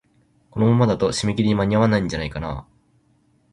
このままだと、締め切りに間に合わないんじゃないかなあ。